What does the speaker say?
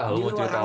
di luar angco lah